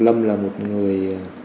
lâm là một người